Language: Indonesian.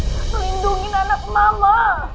melindungi anak mama